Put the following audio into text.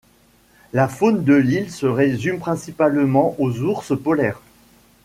La faune de l'île se résume principalement aux ours polaires.